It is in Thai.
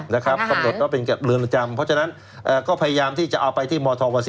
นะครับข้อมูลก็เป็นเรือนจำเพราะฉะนั้นก็พยายามที่จะเอาไปที่มธว๑๑